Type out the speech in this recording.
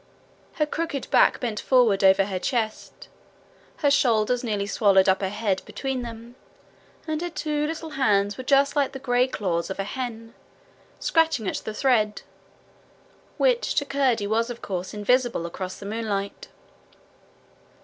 Her crooked back bent forward over her chest, her shoulders nearly swallowed up her head between them, and her two little hands were just like the grey claws of a hen, scratching at the thread, which to Curdie was of course invisible across the moonlight.